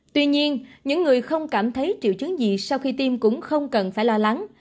tuy nhiên những người không cảm thấy triệu chứng gì sau khi tiêm cũng không cần phải lo lắng